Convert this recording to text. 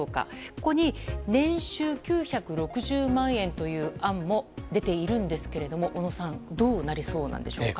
ここに年収９６０万円という案も出ているんですが小野さんどうなりそうなんでしょうか。